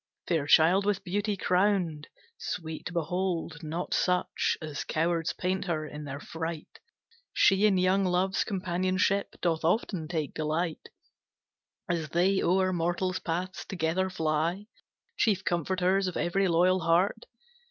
Fair child with beauty crowned, Sweet to behold, not such As cowards paint her in their fright, She in young Love's companionship Doth often take delight, As they o'er mortal paths together fly, Chief comforters of every loyal heart.